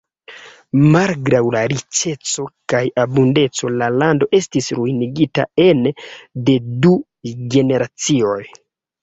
Malgraŭ la riĉeco kaj abundeco la lando estis ruinigita ene de du generacioj.